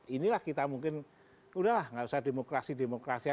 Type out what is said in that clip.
inilah kita mungkin udahlah nggak usah demokrasi demokrasian